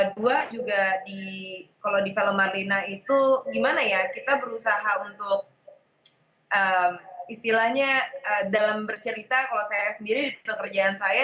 dua juga kalau di film marlina itu gimana ya kita berusaha untuk istilahnya dalam bercerita kalau saya sendiri di pekerjaan saya